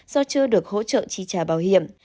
do chưa được hỗ trợ chi trả bảo hiểm